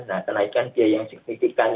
nah kenaikan biaya yang signifikan